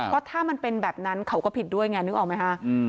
เพราะถ้ามันเป็นแบบนั้นเขาก็ผิดด้วยไงนึกออกไหมคะ